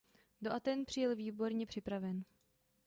Do Athén přijel výborně připraven.